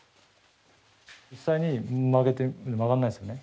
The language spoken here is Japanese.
実際に曲げて曲がんないですよね。